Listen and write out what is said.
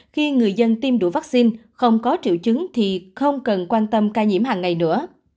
khi người dân tiêm đủ vaccine không có triệu chứng thì không cần quan tâm ca nhiễm hàng ngày nữa